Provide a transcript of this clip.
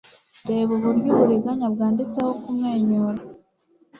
Reba uburyo uburiganya bwanditseho kumwenyura